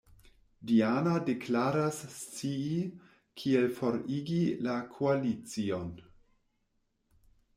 Diana deklaras scii kiel forigi la Koalicion.